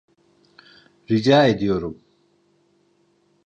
Rica ediyorum.